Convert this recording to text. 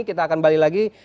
kita akan balik lagi